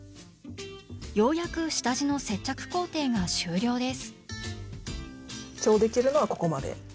ようやく下地の接着工程が終了です。